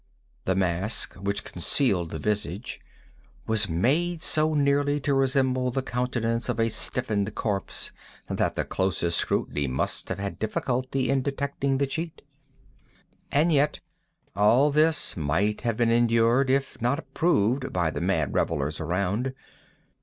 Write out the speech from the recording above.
The mask which concealed the visage was made so nearly to resemble the countenance of a stiffened corpse that the closest scrutiny must have had difficulty in detecting the cheat. And yet all this might have been endured, if not approved, by the mad revellers around.